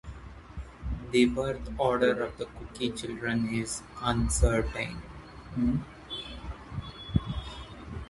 The birth order of the Cooke children is uncertain.